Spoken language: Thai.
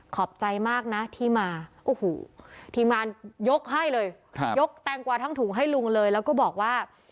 ขอบใจมากนะที่มาโอ้โหทีมงานยกให้เลยยกแตงกว่าทั้งถุงให้ลุงเลยแล้วก็บอกว่า